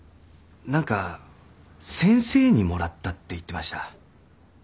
何か「先生にもらった」って言ってました。